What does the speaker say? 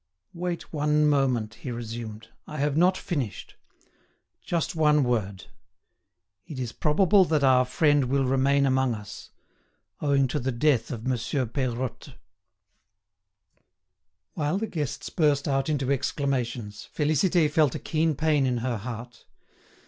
"Wait one moment," he resumed; "I have not finished. Just one word. It is probable that our friend will remain among us, owing to the death of Monsieur Peirotte." Whilst the guests burst out into exclamations, Félicité felt a keen pain in her heart.